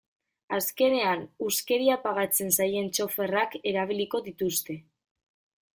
Azkenean, huskeria pagatzen zaien txoferrak erabiliko dituzte.